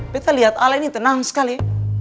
kita lihat ala ini tenang sekali